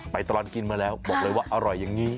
ตลอดกินมาแล้วบอกเลยว่าอร่อยอย่างนี้